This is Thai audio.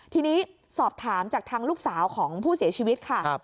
ทีนี้สอบถามจากทางลูกสาวของผู้เสียชีวิตค่ะ